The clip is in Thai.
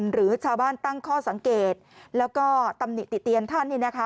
หรือชาวบ้านตั้งข้อสังเกตแล้วก็ตำหนิติเตียนท่าน